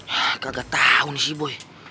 hah kagak tau nih sih boy